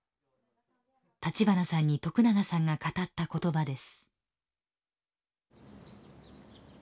立花さんに徳永さんが語った言葉です。